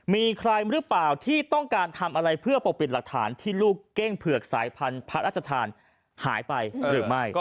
มีใครหรือเปล่าที่ต้องการทำอะไรเพื่อปกปิดหลักฐานที่ลูกเก้งเผือกสายพันธุ์พระราชทานหายไปหรือไม่